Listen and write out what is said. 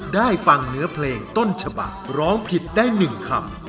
ได้ฟังเนื้อเพลงต้นฉบักร้องผิดได้๑คำ